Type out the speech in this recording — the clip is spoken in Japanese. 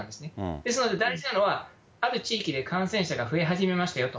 ですので大事なのは、ある地域で感染者が増えはじめましたよと。